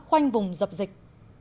quanh vùng dập dịch